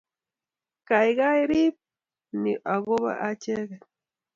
Kaikai rib ni ako bo acheget